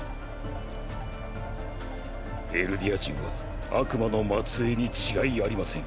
エルディア人は悪魔の末裔に違いありません。